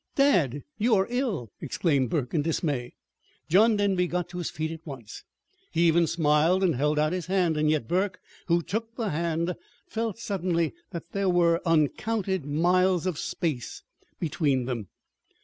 "Dad, you are ill!" exclaimed Burke in dismay. John Denby got to his feet at once. He even smiled and held out his hand. Yet Burke, who took the hand, felt suddenly that there were uncounted miles of space between them.